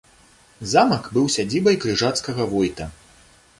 Замак быў сядзібай крыжацкага войта.